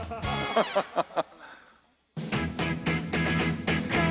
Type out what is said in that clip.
ハハハハ。